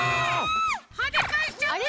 はねかえしちゃった！